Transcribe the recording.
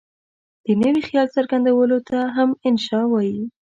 د نوي خیال څرګندولو ته هم انشأ وايي.